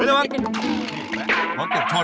เดี๋ยวรสเก็บชนรสเก็บชน